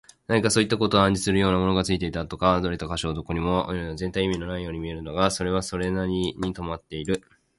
何かそういったことを暗示するような、ものがついていた跡とか、折れた個所とかはどこにもない。全体は意味のないように見えるのだが、それはそれなりにまとまっている。